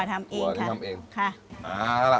ถั่วทำเองค่ะ